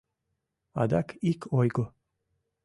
Адак ик ойго.